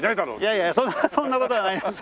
いやいやそんなそんな事はないです。